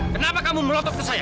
kenapa kamu melotot ke saya